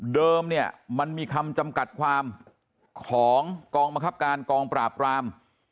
เนี่ยมันมีคำจำกัดความของกองบังคับการกองปราบราม